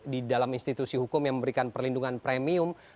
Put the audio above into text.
di dalam institusi hukum yang memberikan perlindungan premium